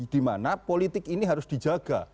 di mana politik ini harus dijaga